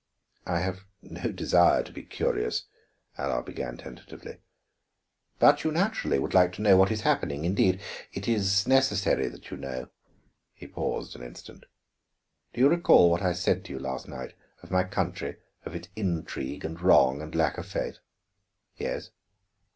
"I have no desire to be curious," Allard began tentatively. "But you naturally would like to know what is happening. Indeed, it is necessary that you know." He paused an instant. "Do you recall what I said to you last night of my country, of its intrigue and wrong and lack of faith?" "Yes."